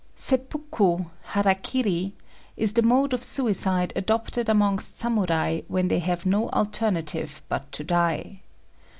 Seppuku (hara kiri) is the mode of suicide adopted amongst Samurai when they have no alternative but to die.